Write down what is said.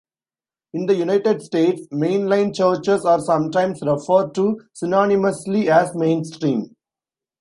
In the United States, mainline churches are sometimes referred to synonymously as mainstream.